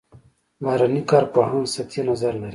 بهرني کارپوهان سطحي نظر لري.